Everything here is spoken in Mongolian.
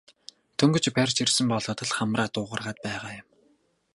Дөнгөж барьж ирсэн болоод л хамраа дуугаргаад байгаа юм.